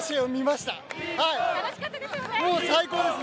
もう最高です！